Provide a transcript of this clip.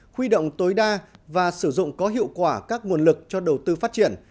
huy động tối đa và sử dụng có hiệu quả các nguồn lực cho đầu tư phát triển